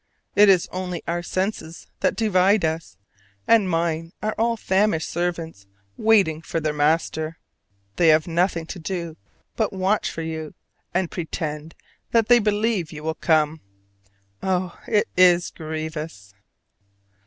It is only our senses that divide us; and mine are all famished servants waiting for their master. They have nothing to do but watch for you, and pretend that they believe you will come. Oh, it is grievous!